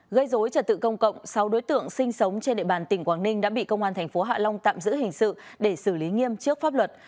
gây dối trật tự công cộng sáu đối tượng sinh sống trên địa bàn tỉnh quảng ninh đã bị công an thành phố hạ long tạm giữ hình sự để xử lý nghiêm trước pháp luật